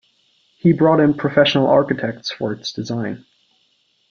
He brought in professional architects for its design.